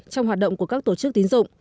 trong hoạt động của các tổ chức tín dụng